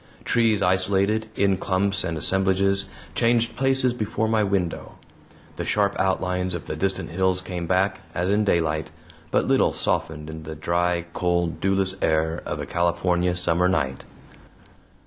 Trees isolated, in clumps and assemblages, changed places before my window. The sharp outlines of the distant hills came back, as in daylight, but little softened in the dry, cold, dewless air of a California summer night.